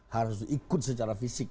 harus ikut secara fisik